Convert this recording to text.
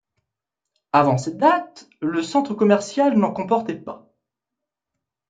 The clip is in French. Avant cette date, le centre commercial n'en comportait pas.